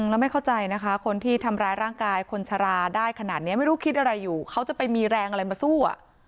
แล้วไม่เข้าใจนะคะคนที่ทำร้ายร่างกายคนชะลาได้ขนาดนี้ไม่รู้คิดอะไรอยู่เขาจะไปมีแรงอะไรมาสู้